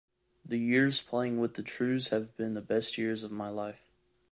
The years playing with the Trews have been best years of my life.